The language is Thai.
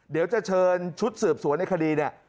เดี๋ยวจะเชิญชุดสืบสวนในคดีเนี่ย